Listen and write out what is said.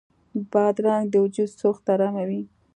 بادرنګ د وجود سوخت اراموي.